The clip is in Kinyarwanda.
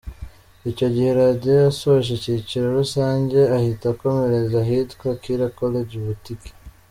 Icyo gihe Radio yasoje icyiciro rusange ahita akomereza ahitwa Kiira College Butiki.